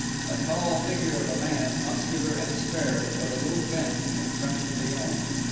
A tall figure of a man, muscular and spare, but a little bent, confronted Villon.